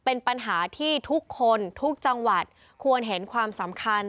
เป็นปัญหาที่ทุกคนทุกจังหวัดควรเห็นความสำคัญ